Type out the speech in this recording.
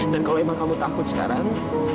dan kalau emang kamu takut sekarang